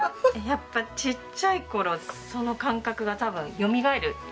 やっぱちっちゃい頃その感覚が多分よみがえる。